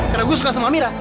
karena gue suka sama amira